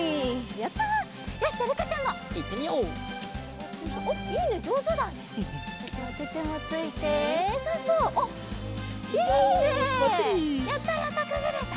やったやったくぐれた！